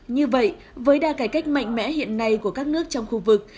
như vậy với đa cải cách mạnh mẽ hiện nay của các nước trong khu vực